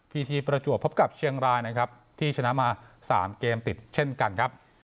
ทีทีประจวบพบกับเชียงรายนะครับที่ชนะมา๓เกมติดเช่นกันครับ